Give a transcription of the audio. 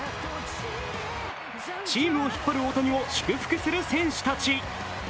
チームを引っ張る大谷を祝福する選手たち。